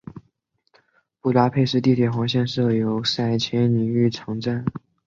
布达佩斯地铁黄线设有塞切尼浴场站。